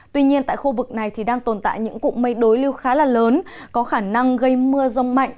tuy nhiên tại khu vực này thì đang tồn tại những cụm mây đối lưu khá là lớn có khả năng gây mưa rông mạnh